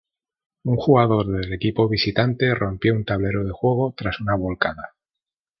Un jugador del equipo visitante rompió un tablero de juego tras una volcada.